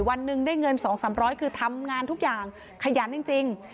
วันหนึ่งได้เงิน๒๓๐๐คือทำงานทุกอย่างขยันจริง